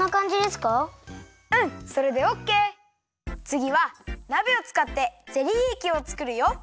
つぎはなべをつかってゼリーえきをつくるよ！